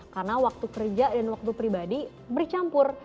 karena waktu kerja dan waktu pribadi bercampur